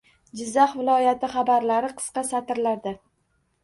Jizzax viloyati xabarlari – qisqa satrlarda